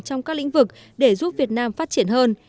trong các lĩnh vực để giúp việt nam phát triển hơn